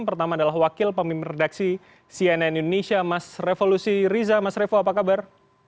pertama adalah wakil pemimpin redaksi cnn indonesia mas revolusi riza mas revo apa kabar